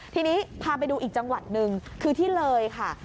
ทีนี้พาไปดูอีกจังหวัดหนึ่งคือที่เลยค่ะ